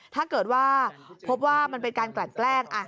ถ้าเกิดว่าพบว่ามันเป็นการกลั่นแกล้ง